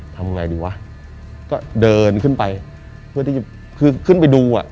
ทำไงดีวะก็เดินขึ้นไปเพื่อที่จะคือขึ้นไปดูอ่ะ